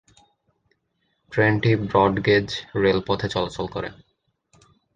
ট্রেনটি ব্রডগেজ রেলপথে চলাচল করে।